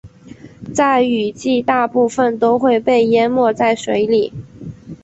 在雨季大部分都会被淹没在水里。